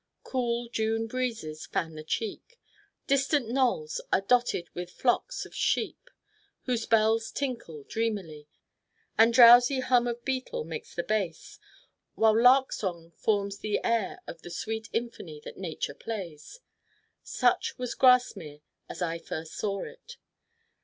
Cool June breezes fan the cheek. Distant knolls are dotted with flocks of sheep whose bells tinkle dreamily; and drowsy hum of beetle makes the bass, while lark song forms the air of the sweet symphony that Nature plays. Such was Grasmere as I first saw it.